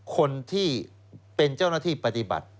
คนที่เป็นเจ้าหน้าที่ปฏิบัติ